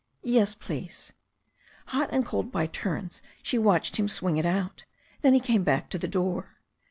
"Yes, please." Hot and cold by turns she watched him swing it out Then he came back to the door.